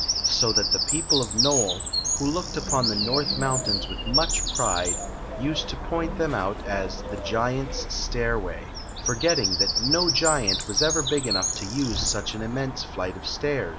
So that the people of Nole, who .looked upon the North Mountains with much pride, used to point them out as "The Giant's Stairway, forgetting that no giant was ever big enough to use such an immense flight of stairs.